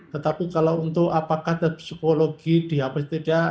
tetapi kalau untuk apakah psikologi dihapus tidak